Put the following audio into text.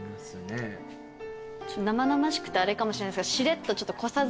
生々しくてあれかもしれないですが。